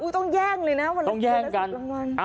ต้องแย่งเลยนะวันละ๑๐รางวัล